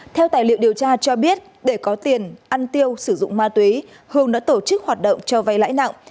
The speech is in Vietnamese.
theo tài liệu điều tra cho biết để có tiền ăn tiêu sử dụng ma túy hường đã tổ chức hoạt động cho vay lãi nặng